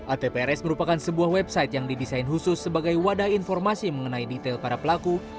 atprs merupakan sebuah website yang didesain khusus sebagai wadah informasi mengenai detail para pelaku